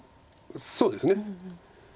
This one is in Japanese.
そうですね。